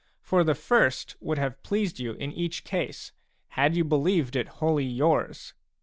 For the first would have pleased you in each case, had you believed it wholly yours.